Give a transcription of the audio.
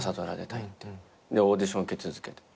でオーディション受け続けて。